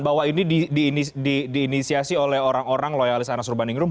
bahwa ini diinisiasi oleh orang orang loyalis anas urbaningrum